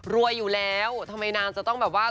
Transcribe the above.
รวยอยู่แล้วทำไมนางจะต้องแบบว่า